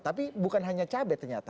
tapi bukan hanya cabai ternyata